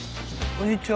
こんにちは。